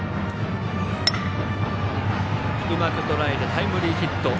うまくとらえてタイムリーヒット。